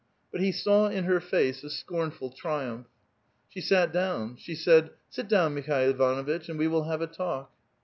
But he saw iu her face a scornful triumph. She sat down; she said: '* Sit down, Mikhail Ivanuitch, and we will have a talk."